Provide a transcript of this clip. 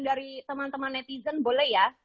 dari teman teman netizen boleh ya